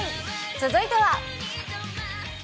続いては。